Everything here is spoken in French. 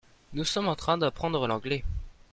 Nous sommes en train d'apprendre l'anglais.